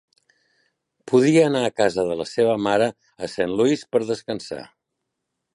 Podia anar a casa de la seva mare a Saint Louis per descansar.